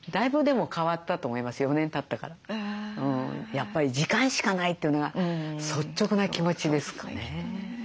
やっぱり時間しかないというのが率直な気持ちですかね。